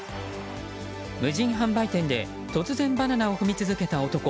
無人販売店で突然バナナを踏み続けた男。